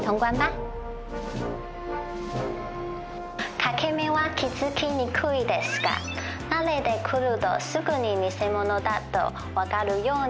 欠け眼は気付きにくいですが慣れてくるとすぐに偽物だと分かるようになりますよ。